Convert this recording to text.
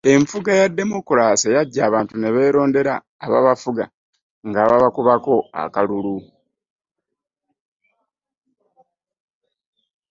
Enfuga eya demokulaasi yajja abantu ne beerondera ababafuga nga babakubako akalulu.